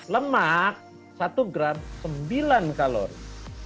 lemak satu gram sembilan kalori